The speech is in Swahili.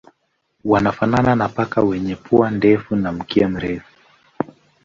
Wanafanana na paka wenye pua ndefu na mkia mrefu.